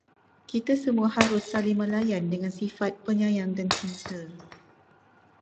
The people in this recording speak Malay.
Kita semua harus saling melayan dengan sifat penyayang dan cinta